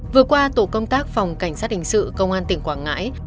vừa qua tổ công tác phòng cảnh sát hình sự công an tỉnh quảng ngãi